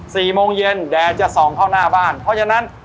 สี่โมงเย็นแดดจะส่องเข้าหน้าบ้านเพราะฉะนั้น